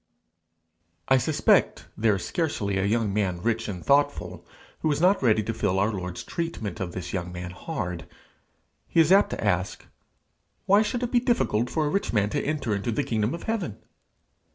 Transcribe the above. I suspect there is scarcely a young man rich and thoughtful who is not ready to feel our Lord's treatment of this young man hard. He is apt to ask, "Why should it be difficult for a rich man to enter into the kingdom of heaven?"